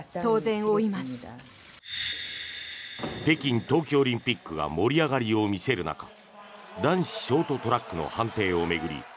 北京冬季オリンピックが盛り上がりを見せる中男子ショートトラックの判定を巡り